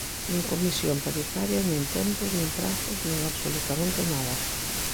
Nin comisión paritaria, nin tempos, nin prazos, nin absolutamente nada.